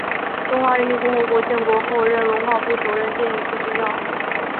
中华人民共和国建国后任文化部首任电影局局长。